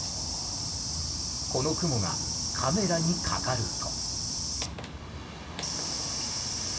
この雲がカメラにかかると。